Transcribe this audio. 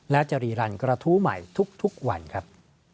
และจะรีรันกระทู้ใหม่ทุกวันครับ